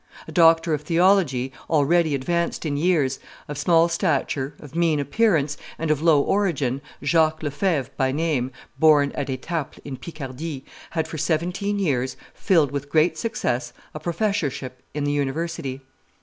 A doctor of theology, already advanced in years, of small stature, of mean appearance, and of low origin, Jacques Lefevre by name, born at Etaples in Picardy, had for seventeen years filled with great success a professorship in the university.